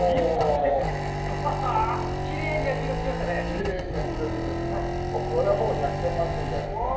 きれいに焼き色ついたしこれはほぼ１００点満点じゃないですか？